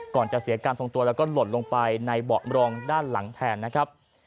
จะเสียการทรงตัวแล้วก็หล่นลงไปในเบาะรองด้านหลังแทนนะครับ